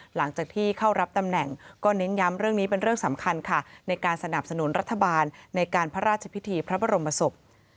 หลังจากที่เข้ารับตำแหน่งก็เน้นย้ำเรื่องนี้เป็นเรื่องสำคัญค่ะในการสนับสนุนรัฐบาลในการพระราชพิธีพระบรมศพ